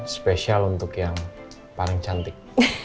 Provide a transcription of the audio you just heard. spesial untuk yang paling cantik